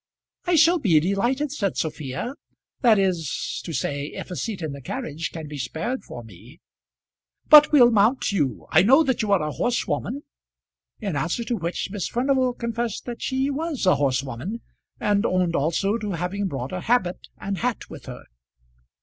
"I shall be delighted," said Sophia, "that is to say if a seat in the carriage can be spared for me." "But we'll mount you. I know that you are a horsewoman." In answer to which Miss Furnival confessed that she was a horsewoman, and owned also to having brought a habit and hat with her.